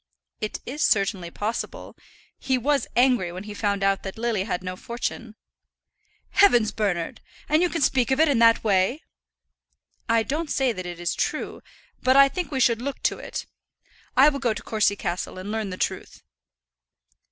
"It is certainly possible. He was angry when he found that Lily had no fortune." "Heavens, Bernard! And you can speak of it in that way?" "I don't say that it is true; but I think we should look to it. I will go to Courcy Castle and learn the truth."